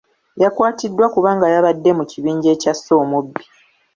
Yakwatiddwa kubanga yabadde mu kibinja ekyasse omubbi.